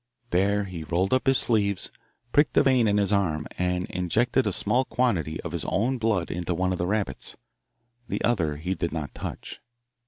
There he rolled up his sleeves, pricked a vein in his arm, and injected a small quantity of his own blood into one of the rabbits. The other he did not touch.